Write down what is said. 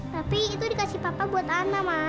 tapi itu dikasih papa buat ana ma